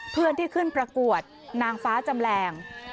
เพื่อนที่ขึ้นประกวดนางฟ้าจำแรง